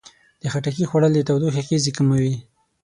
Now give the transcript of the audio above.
د خټکي خوړل د تودوخې اغېزې کموي.